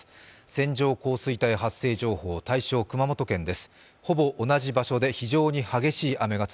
線状降水帯発生情報、対象は熊本県です。